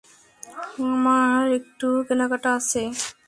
আমার একটু কেনাকাটা আছে।